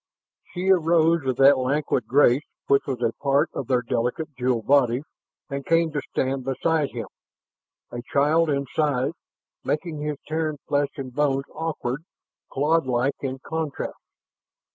She arose with that languid grace which was a part of their delicate jeweled bodies and came to stand beside him, a child in size, making his Terran flesh and bones awkward, clodlike in contrast.